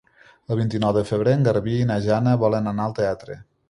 El vint-i-nou de febrer en Garbí i na Jana volen anar al teatre.